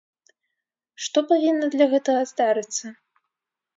Што павінна для гэтага здарыцца?